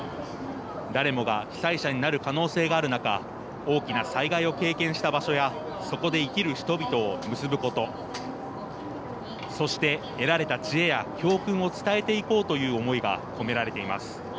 誰もが被災者になる可能性がある中、大きな災害を経験した場所やそこで生きる人々をむすぶこと、そして得られた知恵や教訓を伝えていこうという思いが込められています。